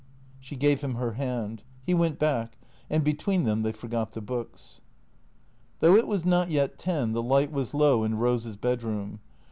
She gave him her hand. He went back; and between them they forgot the books. Though it was not yet ten the light was low in Eose's bedroom.